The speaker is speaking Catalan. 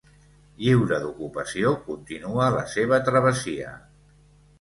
Lliure d'ocupació, continua la seva travessia.